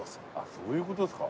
そういうことですか。